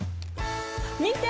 見て！